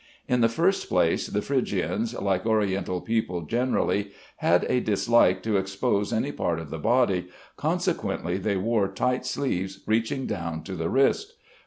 In the first place, the Phrygians, like Oriental people generally, had a dislike to expose any part of the body, consequently they wore tight sleeves reaching down to the wrist.